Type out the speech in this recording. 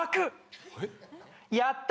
「やった！